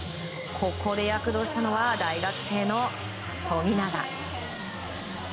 ここで躍動したのは大学生の富永。